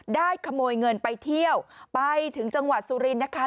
ขโมยเงินไปเที่ยวไปถึงจังหวัดสุรินทร์นะคะ